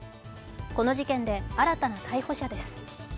この事件で新たな逮捕者です。